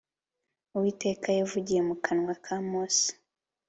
Uwiteka yavugiye mu kanwa ka Mose